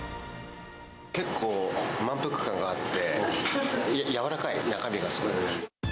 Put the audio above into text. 結構満腹感があって、柔らかい、中身がすごく。